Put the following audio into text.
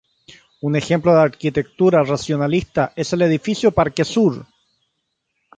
Un ejemplo de arquitectura racionalista es el Edificio Parque Sur.